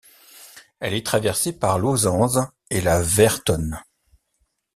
Elle est traversée par l’Auzance et la Vertonne.